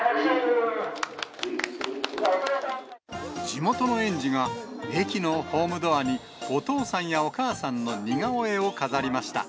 地元の園児が、駅のホームドアに、お父さんやお母さんの似顔絵を飾りました。